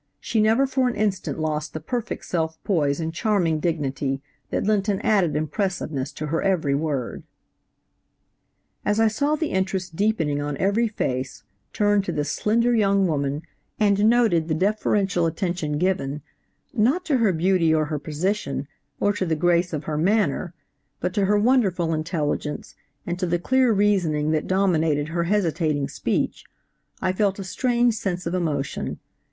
She never for an instant lost the perfect self poise and charming dignity that lent an added impressiveness to her every word "As I saw the interest deepening on every face, turned to this slender young woman, and noted the deferential attention given, not to her beauty or her position, or to the grace of her manner, but to her wonderful intelligence, and to the clear reasoning that dominated her hesitating speech, I felt a strange sense of emotion.